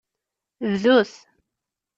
Bdut!